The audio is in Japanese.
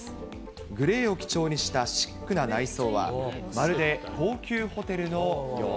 グレーを基調にしたシックな内装は、まるで高級ホテルのよう。